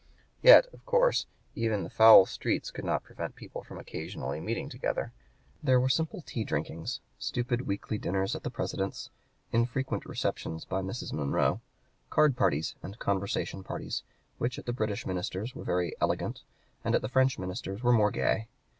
Yet, of course, even the foul streets could not prevent people from occasionally meeting together. There were simple tea drinkings, stupid weekly dinners at the President's, infrequent receptions by Mrs. Monroe, card parties and conversation parties, which at the British minister's were very "elegant," and at the French minister's were more gay.